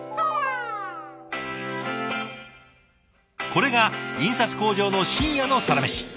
これが印刷工場の深夜のサラメシ。